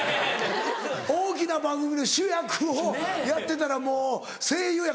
大きな番組の主役をやってたらもう声優やから。